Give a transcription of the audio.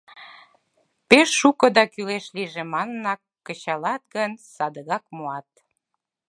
Пеш шуко да кӱлеш лийже манынак кычалат гын, садыгак муат.